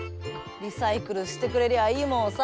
リサイクルしてくれりゃいいもんをさ。